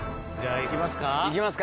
行きますか。